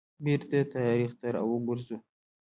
بیرته تاریخ ته را وګرځو.